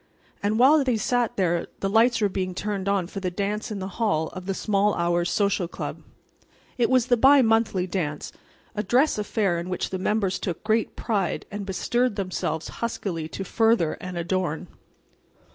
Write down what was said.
And while they sat there the lights were being turned on for the dance in the hall of the Small Hours Social Club. It was the bi monthly dance, a dress affair in which the members took great pride and bestirred themselves huskily to further and adorn.